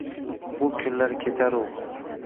Bu kunlar ketar-u